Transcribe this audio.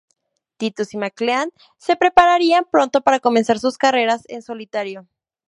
Titus y McLean se separarían pronto para comenzar sus carreras en solitario.